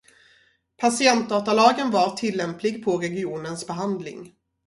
Patientdatalagen var tillämplig på regionens behandling.